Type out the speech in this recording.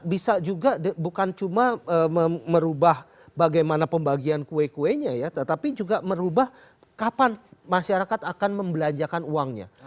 bisa juga bukan cuma merubah bagaimana pembagian kue kuenya ya tetapi juga merubah kapan masyarakat akan membelanjakan uangnya